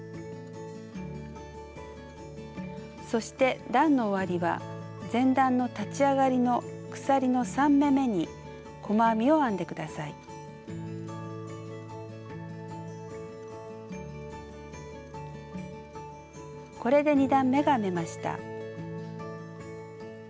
そして段の終わりは前段の立ち上がりの鎖の３目めにこれで２段めが編めました。